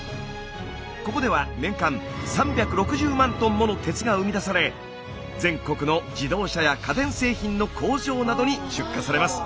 ここでは年間３６０万ｔもの鉄が生み出され全国の自動車や家電製品の工場などに出荷されます。